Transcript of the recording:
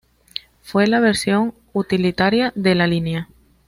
Fue la versión utilitaria de la línea.